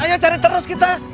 ayo cari terus kita